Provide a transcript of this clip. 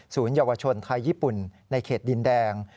เยาวชนไทยญี่ปุ่นในเขตดินแดง